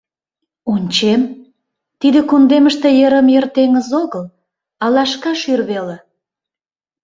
Ончем — тиде кундемыште йырым-йыр теҥыз огыл, а лашка шӱр веле.